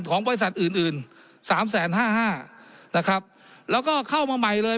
ของบริษัทอื่น๓๕๕๐๐๐นะครับแล้วก็เข้ามาใหม่เลย